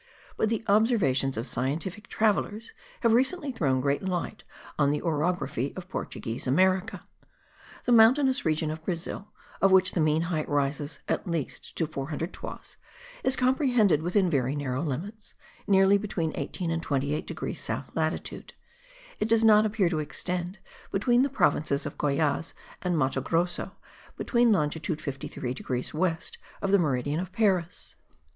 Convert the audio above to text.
But the observations of scientific travellers have recently thrown great light on the orography of Portuguese America. The mountainous region of Brazil, of which the mean height rises at least to 400 toises, is comprehended within very narrow limits, nearly between 18 and 28 degrees south latitude; it does not appear to extend, between the provinces of Goyaz and Matogrosso, beyond longitude 53 degrees west of the meridian of Paris.